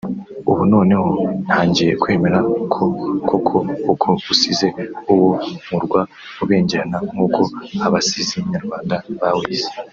ubu noneho ntangiye kwemera ko koko uko usize uwo murwa ubengerana nk’uko abasizi Nyarwanda bawise